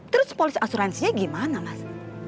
terus polis asuransinya gimana mas